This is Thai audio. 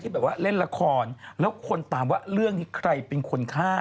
แบบว่าเล่นละครแล้วคนตามว่าเรื่องนี้ใครเป็นคนฆ่า